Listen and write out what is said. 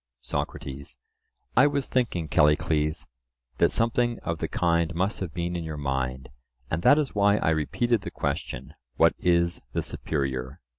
SOCRATES: I was thinking, Callicles, that something of the kind must have been in your mind, and that is why I repeated the question,—What is the superior?